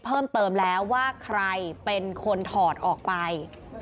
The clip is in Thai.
เพิ่มเติมแล้วว่าใครเป็นคนถอดออกไป